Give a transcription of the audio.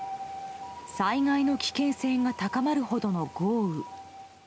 災害の危険性が高まるほどの豪雨。